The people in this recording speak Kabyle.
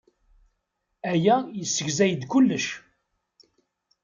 Aya yessegzay-d kullec.